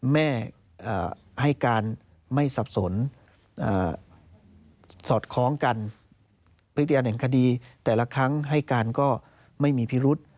แม่ให้การไม่สับสนสอดคล้องกันพยานแห่งคดีแต่ละครั้งให้การก็ไม่มีพิรุษ